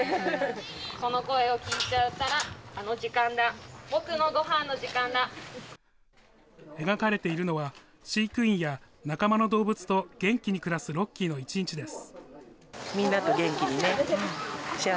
この声を聞いちゃったら、あの時描かれているのは、飼育員や仲間の動物と元気に暮らすロッキーの１日です。